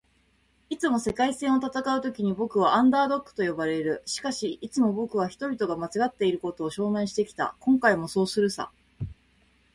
「いつも“世界戦”を戦うときに僕は『アンダードッグ』と呼ばれる。しかし、いつも僕は人々が間違っていることを証明してきた。今回もそうするさ」